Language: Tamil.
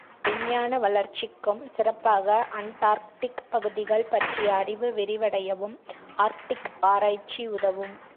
விஞ்ஞான வளர்ச்சிக்கும், சிறப்பாக, அண்டார்க்டிக் பகுதிகள் பற்றிய அறிவு விரிவடையவும் ஆர்க்டிக் ஆராய்ச்சி உதவும்.